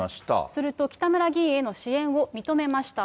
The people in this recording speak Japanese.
すると、北村議員への支援を認めました。